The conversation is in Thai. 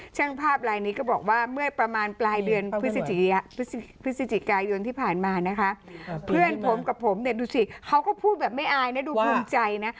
ช่างภาพลายนี้ก็บอกว่าเมื่อประมาณปลายเดือนพฤศจิกายนที่ผ่านมานะคะเพื่อนผมกับผมเนี่ยดูสิเขาก็พูดแบบไม่อายนะดูภูมิใจนะ